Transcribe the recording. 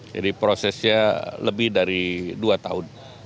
jadi prosesnya lebih dari dua tahun